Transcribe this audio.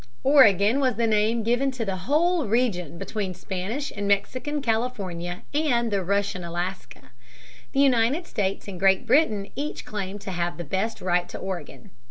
Oregon was the name given to the whole region, between Spanish and Mexican California and the Russian Alaska. The United States and Great Britain each claimed to have the best right to Oregon.